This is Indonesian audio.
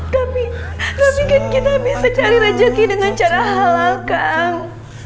tapi gak bikin kita bisa cari rejeki dengan cara halal kang